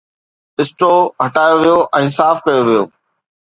اسٽو هٽايو ويو ۽ صاف ڪيو ويو